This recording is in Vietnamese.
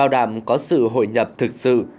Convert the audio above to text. từ hội nhập thực sự